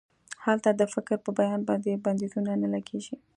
هلته د فکر په بیان باندې بندیزونه نه لګیږي.